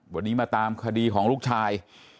วันนี้มาตามคดีของลูกชาย